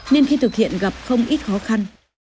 nên khi thực hiện gặp không ít khó khăn